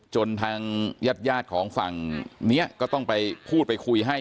ทางญาติยาดของฝั่งนี้ก็ต้องไปพูดไปคุยให้